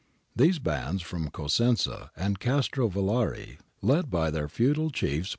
These bands from Cosenza and Castrovillari, led by their feudal chiefs.